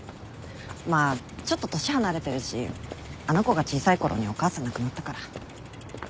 まあちょっと年離れてるしあの子が小さいころにお母さん亡くなったから。